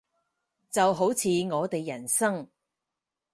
就好似我哋人生